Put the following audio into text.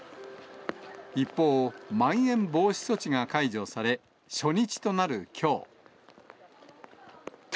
一方、まん延防止措置が解除され、初日となるきょう。